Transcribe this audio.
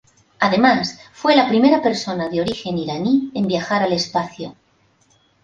Además fue la primera persona de origen iraní en viajar al espacio.